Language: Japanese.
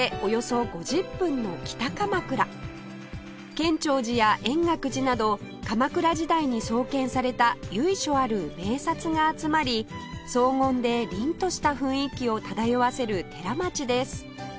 建長寺や円覚寺など鎌倉時代に創建された由緒ある名刹が集まり荘厳で凜とした雰囲気を漂わせる寺町です